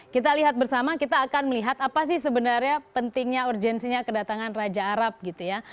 kita lihat bersama kita akan melihat apa sih sebenarnya pentingnya urgensinya kedatangan raja arab gitu ya